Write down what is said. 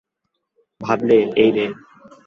ভাবলে, এই রে!